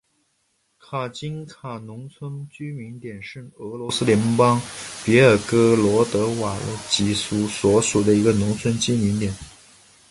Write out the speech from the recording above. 卡津卡农村居民点是俄罗斯联邦别尔哥罗德州瓦卢伊基区所属的一个农村居民点。